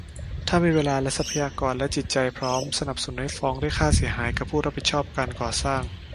ถ้ามีเวลาและทรัพยากร และจิตใจพร้อม สนับสนุนให้ฟ้องเรียกค่าเสียหายกับผู้รับผิดชอบการก่อสร้าง